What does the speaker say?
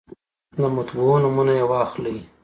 د مطبعو نومونه یې واخلئ.